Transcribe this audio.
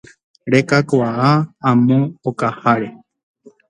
Rekakuaa amo okaháre